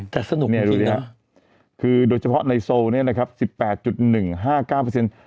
แต่สนุกเนี่ยดูดิคือโดยเฉพาะในโซลเนี่ยนะครับ๑๘๑๕๙เปอร์เซ็นต์